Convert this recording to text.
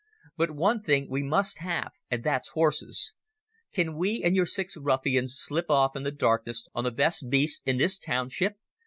But one thing we must have, and that's horses. Can we and your six ruffians slip off in the darkness on the best beasts in this township?